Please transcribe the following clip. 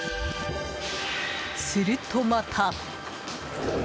すると、また。